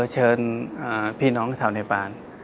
เชิญพี่น้องชาวเนปาน